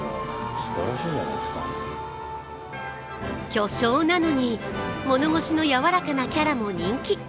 巨匠なのに、物腰のやわらかなキャラも人気。